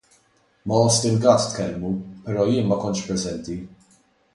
Ma' Austin Gatt tkellmu, però jien ma kontx preżenti.